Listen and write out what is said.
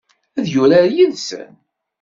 Ad yurar yid-sen?